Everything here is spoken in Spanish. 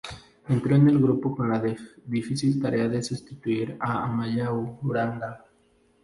Entró en el grupo con la difícil tarea de sustituir a Amaya Uranga.